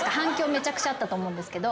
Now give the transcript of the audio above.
めちゃくちゃあったと思うんですけど。